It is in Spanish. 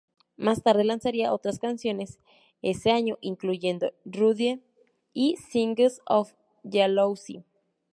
Más tarde lanzaría otras canciones ese año, incluyendo "Rude" y "Signs of Jealousy".